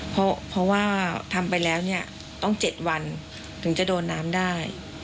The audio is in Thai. เพราะว่าทำไปแล้วเนี่ยต้อง๗วันถึงจะโดนน้ำได้